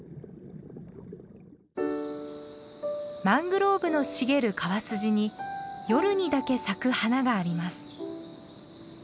マングローブの茂る川筋に夜にだけ咲く花があります。